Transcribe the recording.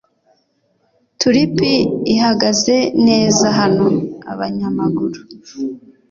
Tulipi ihagaze neza Hano abanyamaguru